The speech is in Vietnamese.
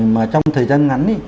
mà trong thời gian ngắn